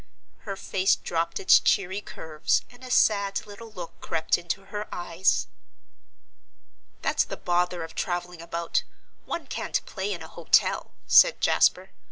Her face dropped its cheery curves and a sad little look crept into her eyes. "That's the bother of travelling about; one can't play in a hotel," said Jasper.